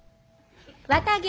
綿毛。